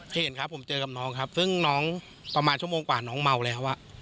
เห็นครับผมเจอกับน้องครับซึ่งน้องประมาณชั่วโมงกว่าน้องเมาแล้ว